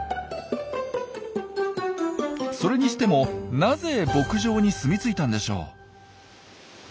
それにしてもなぜ牧場に住み着いたんでしょう？